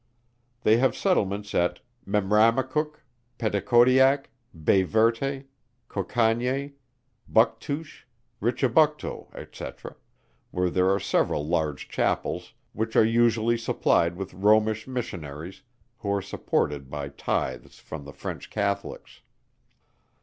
They have settlements at Memramcook, Peticodiac, Bay Verte, Cocagne, Bucktouche, Richibucto, &c. where there are several large Chapels, which are usually supplied with Romish Missionaries, who are supported by tythes from the French Catholics.